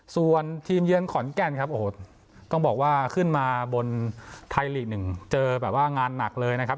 ส่วนทีมเยือนขอนแก่นครับโอ้โหต้องบอกว่าขึ้นมาบนไทยลีก๑เจอแบบว่างานหนักเลยนะครับ